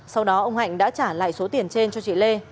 sau đó ông hạnh đã trả lại số tiền trên cho chị lê